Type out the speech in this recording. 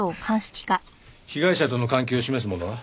被害者との関係を示すものは？